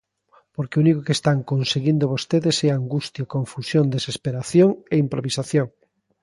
Porque o único que están conseguindo vostedes é angustia, confusión, desesperación e improvisación.